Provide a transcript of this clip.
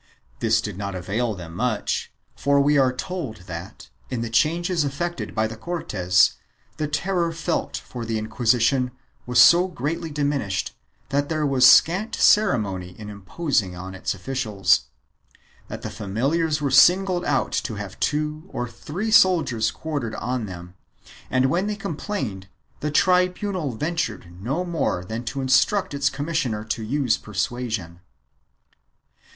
This did not avail them much for we are told that, in the changes effected by the Cortes, the terror felt for the Inquisition was so greatly diminished that there was scant ceremony in imposing on its officials; that the familiars were singled out to have two or three soldiers quartered on them and when they complained the tribunal ventured no more than to instruct its commissioner to use persuasion.